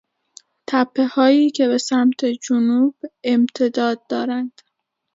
تپههایی که به سمت جنوب امتداد دارند